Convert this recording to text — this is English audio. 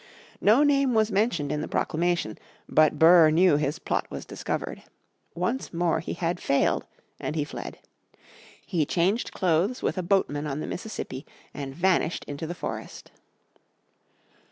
No name was mentioned in the proclamation, but Burr knew his plot was discovered. Once more he had failed; and he fled. He changed clothes with a boatman on the Mississippi, and vanished into the forest.